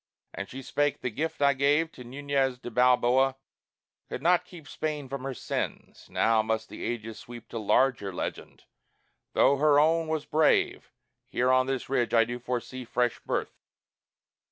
And she spake, "The gift I gave To Nuñez da Balboa could not keep Spain from her sins; now must the ages sweep To larger legend, tho' her own was brave. Here on this ridge I do foresee fresh birth.